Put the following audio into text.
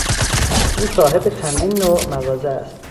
او صاحب چندین نوع مغازه است.